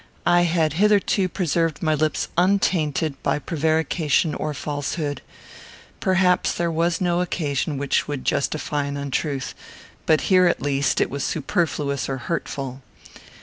I had hitherto preserved my lips untainted by prevarication or falsehood. Perhaps there was no occasion which would justify an untruth; but here, at least, it was superfluous or hurtful.